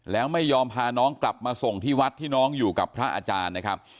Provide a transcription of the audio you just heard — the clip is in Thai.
แล้วไม่ยอมพาน้องกลับมาส่งที่วัดที่น้องอยู่กับพระอาจารย์นะครับ